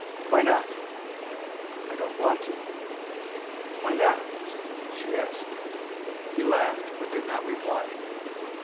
"Why not?" "I don't want to." "Why not?" she asked. He laughed, but did not reply.